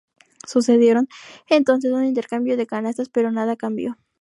Se sucedieron entonces un intercambio de canastas, pero nada cambió.